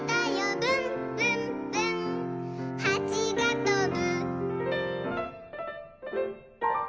「ぶんぶんぶんはちがとぶ」